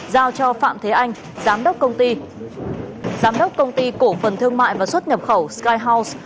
giao cho phạm thế anh giám đốc công ty cổ phần thương mại và xuất nhập khẩu skyhouse